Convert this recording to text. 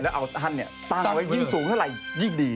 แล้วเอาท่านตั้งไว้ยิ่งสูงเท่าไหร่ยิ่งดี